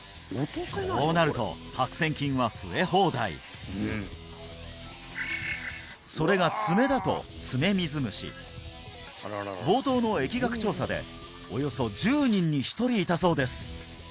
こうなると白せん菌は増え放題それが爪だと爪水虫冒頭の疫学調査でおよそ１０人に１人いたそうです